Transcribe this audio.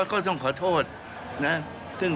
พลเอกประวิดท่านย้ำว่าสิ่งที่ให้สัมภาษณ์ไป